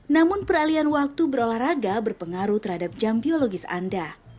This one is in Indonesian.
namun peralian waktu berolahraga berpengaruh terhadap jam biologis anda